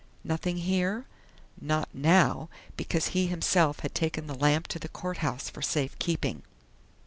Nothing here?... _Not now, because he himself had taken the lamp to the courthouse for safe keeping.